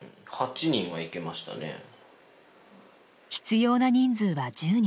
必要な人数は１０人。